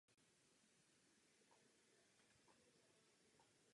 Zapojme vnitrostátní, regionální a místní orgány zodpovědné za vzdělávání.